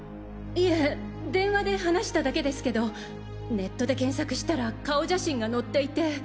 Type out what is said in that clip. いえ電話で話しただけですけどネットで検索したら顔写真が載っていて。